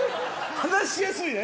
話しやすいね！